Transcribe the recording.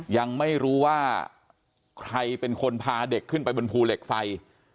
ยังไม่รู้ว่าใครเป็นคนพาเด็กขึ้นไปบนภูเหล็กไฟ